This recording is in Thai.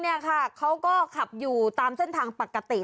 เขาก็ขับอยู่กับเข้าตามเส้นทางปกติ